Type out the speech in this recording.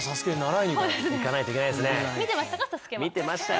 見てましたか？